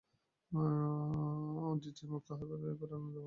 আদিতেই মুক্ত হইবার এই প্রেরণা দেওয়া হইয়াছিল, তাহাই আবর্তিত হইতেছে।